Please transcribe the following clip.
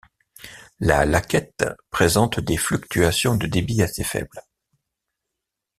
La Laquette présente des fluctuations de débits assez faibles.